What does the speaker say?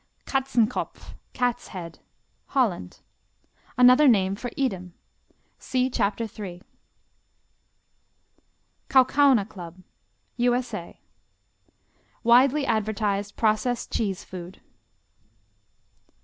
Katzenkopf, Cat's Head Holland Another name for Edam. (See Chapter 3.) Kaukauna Club U.S.A. Widely advertised processed cheese food.